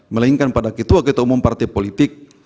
melainkan pada ketua ketua umum partai politik